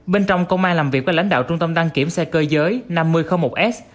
bên trong công an làm việc với lãnh đạo trung tâm đăng kiểm xe cơ giới năm nghìn một s